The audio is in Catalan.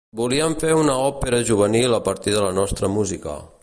Volíem fer una òpera juvenil a partir de la nostra música.